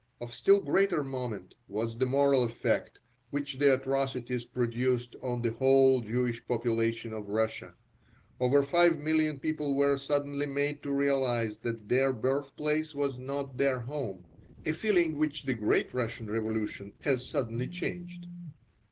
Of still greater moment was the moral effect which the atrocities produced on the whole Jewish population of Russia. Over five million people were suddenly made to realize that their birthplace was not their home (a feeling which the great Russian revolution has suddenly changed).